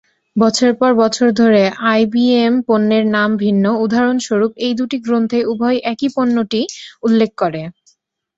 বছরের পর বছর ধরে আইবিএম পণ্যের নাম ভিন্ন; উদাহরণস্বরূপ, এই দুটি গ্রন্থে উভয়ই একই পণ্যটি উল্লেখ করে।